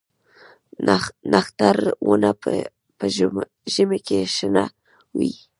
نښتر ونه په ژمي کې شنه وي؟